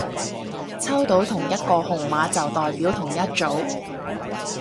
抽到同一個號碼就代表同一組